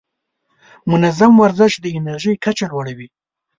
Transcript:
منظم ورزش د انرژۍ کچه لوړه وي.